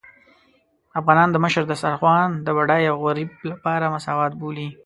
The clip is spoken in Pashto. افغانان د مشر دسترخوان د بډای او غريب لپاره مساوات بولي.